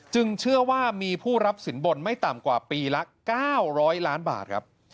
เชื่อว่ามีผู้รับสินบนไม่ต่ำกว่าปีละ๙๐๐ล้านบาทครับ